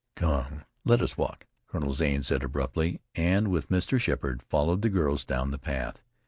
"Come, let us walk," Colonel Zane said abruptly, and, with Mr. Sheppard, followed the girls down the path.